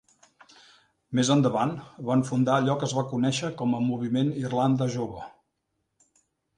Més endavant, van fundar allò que es va conèixer com a moviment Irlanda Jove.